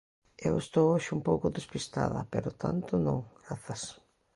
Eu estou hoxe un pouco despistada, pero tanto, non, grazas.